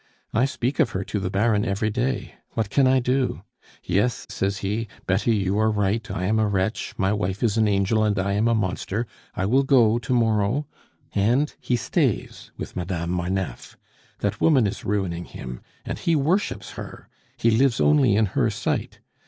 I speak of her to the Baron every day. What can I do? 'Yes,' says he, 'Betty, you are right; I am a wretch. My wife is an angel, and I am a monster! I will go to morrow ' And he stays with Madame Marneffe. That woman is ruining him, and he worships her; he lives only in her sight.